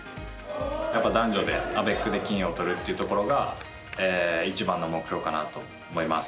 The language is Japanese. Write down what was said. やっぱり男女でアベックで金をとるというのが一番の目標かなと思います。